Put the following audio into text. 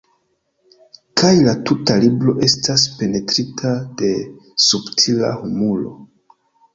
Kaj la tuta libro estas penetrita de subtila humuro.